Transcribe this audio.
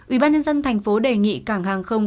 ủy ban nhân dân tp hcm đề nghị cảng hàng không